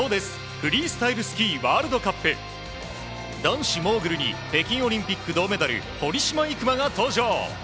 フリースタイルスキーワールドカップ男子モーグルに北京オリンピック銅メダル堀島行真が登場。